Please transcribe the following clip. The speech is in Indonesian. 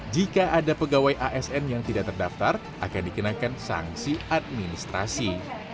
jika ada pegawai asn yang tidak terdaftar akan dikenakan sanksi administrasi